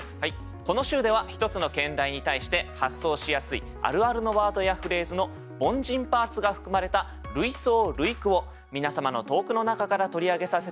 この週では一つの兼題に対して発想しやすいあるあるのワードやフレーズの「凡人パーツ」が含まれた類想類句を皆様の投句の中から取り上げさせて頂き